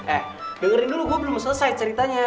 eh dengerin dulu gue belum selesai ceritanya